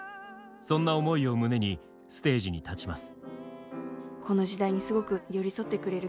そんな思いを胸にステージに立ちます。